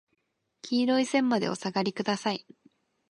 黄色い線までお下がりください。